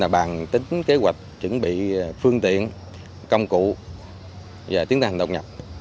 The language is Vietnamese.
bạn tính kế hoạch chuẩn bị phương tiện công cụ và tiến tài hành đột nhập